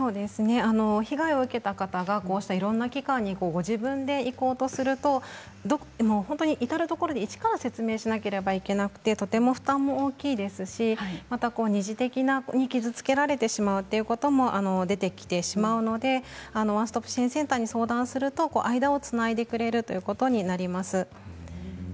被害を受けた方がいろんな機関に自分で行こうとすると至るところで一から説明しなければいけなくてとても負担も大きいですし二次的に傷つけられてしまうということも出てきてしまうのでワンストップ支援センターに相談すると間をつないでくれるということになります。